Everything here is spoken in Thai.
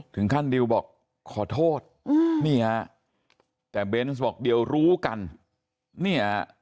ถึงขั้นดิวบอกขอโทษอืมนี่ฮะแต่เบนส์บอกเดี๋ยวรู้กันนี่ฮะ